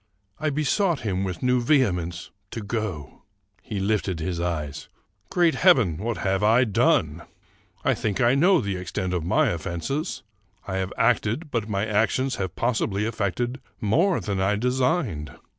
I besought him with new vehemence to go. He lifted his eyes: — "Great heaven! what have I done? I think I know the extent of my offenses. I have acted, but my actions have possibly effected more than I designed.